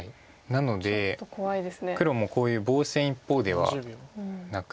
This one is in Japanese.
なので黒もこういう防戦一方ではなくて。